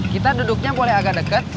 kita duduknya boleh agak dekat